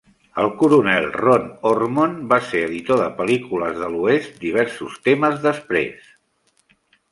El coronel Ron Ormond va ser editor de pel·lícules de l'oest diversos temes després.